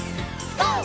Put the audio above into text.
ＧＯ！